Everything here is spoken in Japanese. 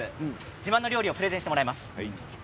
自慢の料理をプレゼンしてもらいます。